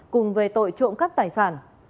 cùng về tội trộm cấp tài sản